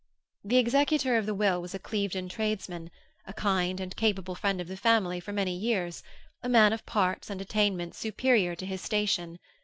The executor of the will was a Clevedon tradesman, a kind and capable friend of the family for many years, a man of parts and attainments superior to his station.